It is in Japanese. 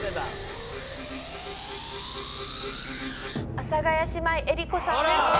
阿佐ヶ谷姉妹江里子さんです。